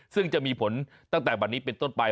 ซึ่งจะมีผลตั้งแต่วันนี้เป็นต้นไป